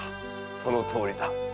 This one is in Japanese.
そのとおりだ。